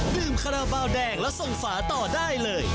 ดื่มคาราบาลแดงแล้วส่งฝาต่อได้เลย